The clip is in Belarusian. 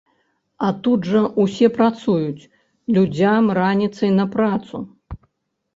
А тут жа ўсе працуюць, людзям раніцай на працу!